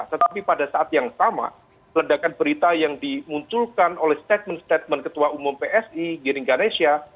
tetapi pada saat yang sama ledakan berita yang dimunculkan oleh statement statement ketua umum psi giring ganesha